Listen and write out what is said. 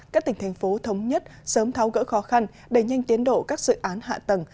các tỉnh thành phố thống nhất sớm tháo gỡ khó khăn đẩy nhanh tiến độ các dự án hạ tầng